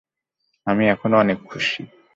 আমি এখন অনেক খুশি।